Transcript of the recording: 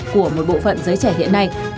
của một bộ phận giới trẻ hiện nay